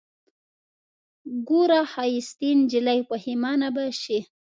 ګوره ښايستې نجلۍ پښېمانه به سې